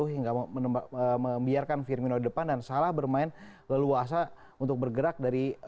hingga membiarkan firmino di depan dan salah bermain leluasa untuk bergerak dari